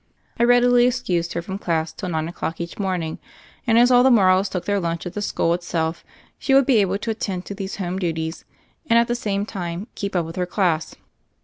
I readily excused her from class till nine o'clock each morning, and, as all the Morrows took their lunch at the school itself, she would be able to attend to these home duties and at the same time keep up with her class.